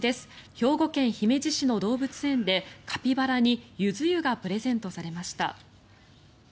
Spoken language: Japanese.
兵庫県姫路市の動物園でカピバラにユズ湯がプレゼントされました。